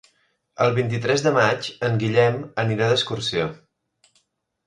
El vint-i-tres de maig en Guillem anirà d'excursió.